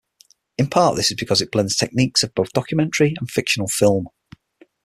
In part this is because it blends techniques of both documentary and fictional film.